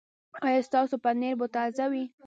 ایا ستاسو پنیر به تازه وي؟